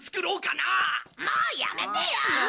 もうやめてよ！